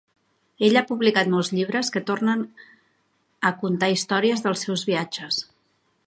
Ell ha publicat molts llibres que tornen a contar històries dels seus viatges.